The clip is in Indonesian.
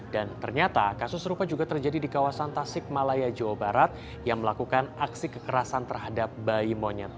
ternyata kasus serupa juga terjadi di kawasan tasik malaya jawa barat yang melakukan aksi kekerasan terhadap bayi monyet